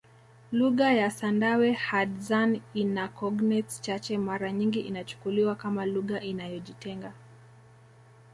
Lugha ya Sandawe Hadzane ina cognates chache mara nyingi inachukuliwa kama lugha inayojitenga